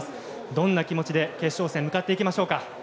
どんな気持ちで決勝戦へ向かっていきましょうか。